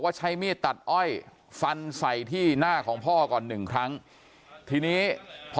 ใช้มีดตัดอ้อยฟันใส่ที่หน้าของพ่อก่อนหนึ่งครั้งทีนี้พอ